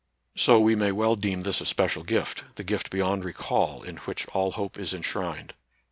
So we may well deem this a special gift, the gift beyond recall, in which all hope is enshrined.